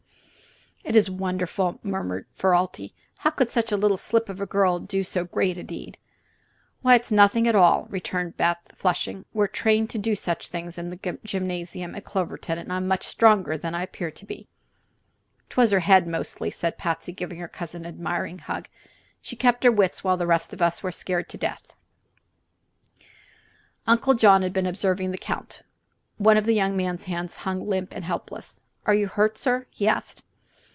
"It is wonderful!" murmured Ferralti. "However could such a slip of a girl do so great a deed?" "Why, it's nothing at all," returned Beth, flushing; "we're trained to do such things in the gymnasium at Cloverton, and I'm much stronger than I appear to be." "'Twas her head, mostly," said Patsy, giving her cousin an admiring hug; "she kept her wits while the rest of us were scared to death." Uncle John had been observing the Count. One of the young man's hands hung limp and helpless. "Are you hurt, sir?" he asked.